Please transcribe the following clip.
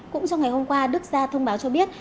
cũng trong ngày hôm qua đức ra thông báo cho biết